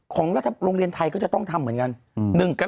ของโรงเรียนไทยก็จะต้องทำเหมือนกัน